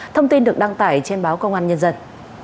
thông tin được đăng tải trên báo công an nhân dân